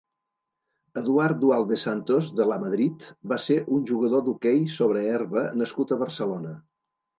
Eduard Dualde Santos de Lamadrid va ser un jugador d'hoquei sobre herba nascut a Barcelona.